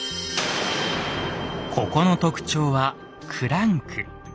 ここの特徴はクランク。